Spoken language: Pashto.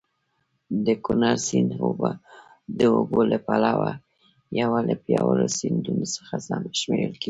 د کونړ سیند د اوبو له پلوه یو له پیاوړو سیندونو څخه شمېرل کېږي.